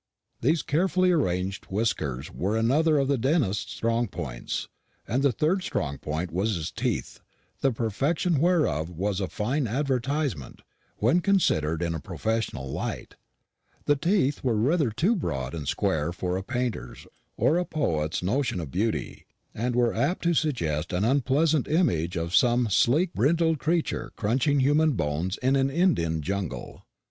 These carefully arranged whiskers were another of the dentist's strong points; and the third strong point was his teeth, the perfection whereof was a fine advertisement when considered in a professional light. The teeth were rather too large and square for a painter's or a poet's notion of beauty, and were apt to suggest an unpleasant image of some sleek brindled creature crunching human bones in an Indian jungle.